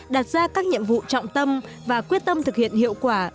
đặt ra các nhiệm vụ trọng tâm và quyết tâm thực hiện hiệu quả